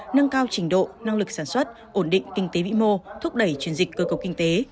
nâng cao trình độ năng lực sản xuất ổn định kinh tế vĩ mô thúc đẩy truyền dịch cơ cầu kinh tế